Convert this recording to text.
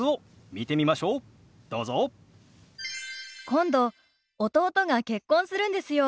今度弟が結婚するんですよ。